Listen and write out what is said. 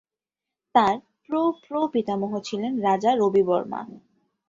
তাঁর প্র-প্রপিতামহ ছিলেন রাজা রবি বর্মা।